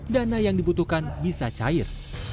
dana yang dibutuhkan bisa cair